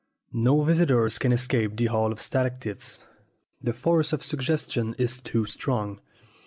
No visitor can escape the Hall of Stalactites the force of suggestion is too strong.